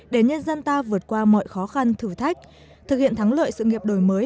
để nhân dân ta vượt qua mọi khó khăn thử thách thực hiện thắng lợi sự nghiệp đổi mới